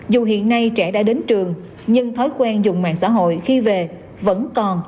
dù hiện nay trẻ đã đến trường nhưng thói quen dùng mạng xã hội khi về vẫn còn